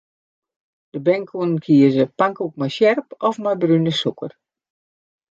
De bern koene kieze: pankoek mei sjerp of mei brune sûker.